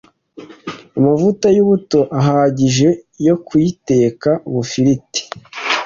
amavuta y’ubuto ahagije yo kuyiteka bufiriti,